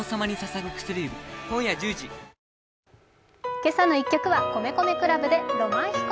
「けさの１曲」は米米ＣＬＵＢで「浪漫飛行」。